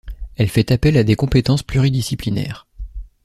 Elle fait appel à des compétences pluridisciplinaires.